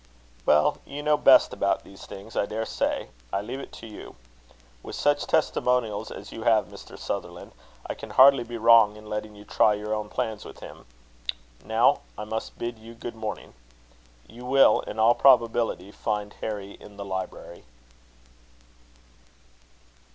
"Well, you know best about these things, I daresay. I leave it to you. With such testimonials as you have, Mr. Sutherland, I can hardly be wrong in letting you try your own plans with him. Now, I must bid you good morning. You will, in all probability, find Harry in the library."